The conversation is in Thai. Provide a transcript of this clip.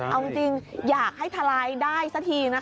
เอาจริงอยากให้ทลายได้สักทีนะคะ